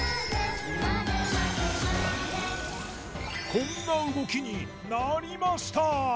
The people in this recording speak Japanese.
こんな動きになりました！